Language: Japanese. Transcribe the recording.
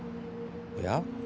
いや。